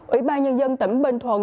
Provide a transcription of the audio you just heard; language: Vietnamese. ủy ban nhân dân tỉnh bình thuận